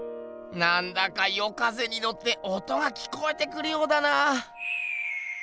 なんだか夜風にのって音が聞こえてくるようだな。